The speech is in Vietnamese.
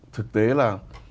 thực tế là